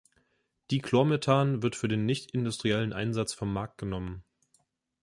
Dichlormethan wird für den nicht-industriellen Einsatz vom Markt genommen.